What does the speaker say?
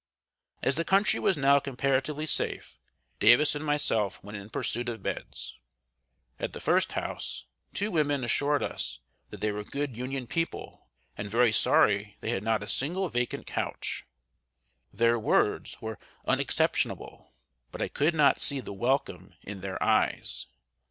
] As the country was now comparatively safe, Davis and myself went in pursuit of beds. At the first house, two women assured us that they were good Union people, and very sorry they had not a single vacant couch. Their words were unexceptionable, but I could not see the welcome in their eyes.